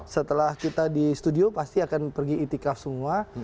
setelah kita di studio pasti akan pergi itikaf semua